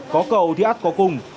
có cầu thì ác có cùng